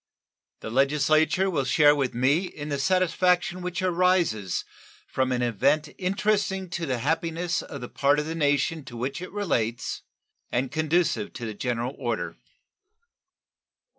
The Legislature will share with me in the satisfaction which arises from an event interesting to the happiness of the part of the nation to which it relates and conducive to the general order.